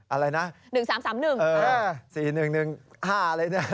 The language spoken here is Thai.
๕อะไรเนี่ย